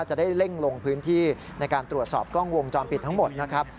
จะได้เร่งลงพื้นที่ในการตรวจสอบกล้องวงจรปิดทั้งหมดนะครับ